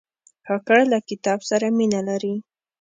کاکړ له کتاب سره مینه لري.